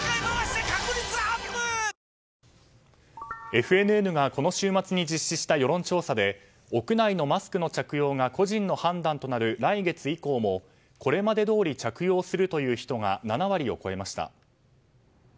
ＦＮＮがこの週末に実施した世論調査で屋内のマスクの着用が個人の判断となる来月以降もこれまでどおり着用するという人が７割を超えました。